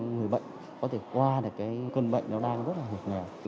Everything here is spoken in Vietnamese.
người bệnh có thể qua được cái cơn bệnh nó đang rất là hệt nghèo